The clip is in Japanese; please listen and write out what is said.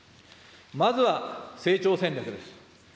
まずは成長戦略です。